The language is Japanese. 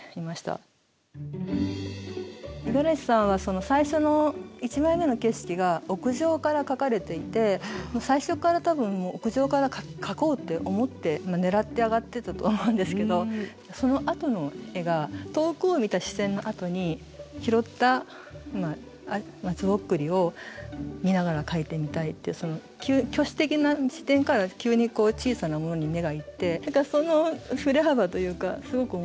五十嵐さんは最初の１枚目の景色が屋上から描かれていて最初から多分もう屋上から描こうって思って狙って上がってたと思うんですけどそのあとの絵が遠くを見た視線のあとに拾った松ぼっくりを見ながら描いてみたいっていう巨視的な視点から急に小さなものに目が行ってその振れ幅というかすごく面白いなって。